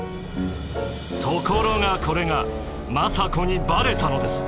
ところがこれが政子にバレたのです。